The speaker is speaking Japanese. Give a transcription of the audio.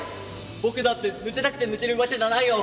僕だって抜けたくて抜けるわけじゃないよ！」。